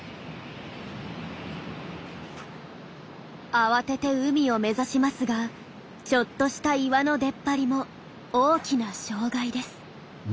慌てて海を目指しますがちょっとした岩の出っ張りも大きな障害です。